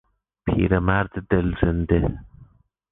پیر مرد دل زنده